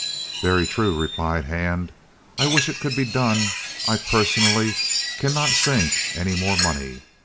"Very true," replied Hand. "I wish it could be done. I, personally, cannot sink any more money.